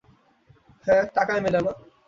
হাঁ, টাকায় মেলে না।